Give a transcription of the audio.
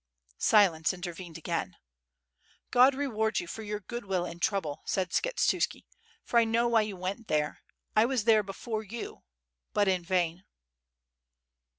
Silence intervened again. '*God reward you for your good will and trouble," said Skshetuski, "for I know why you went there; I was there before you .... but in vain."